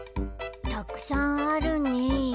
たくさんあるね。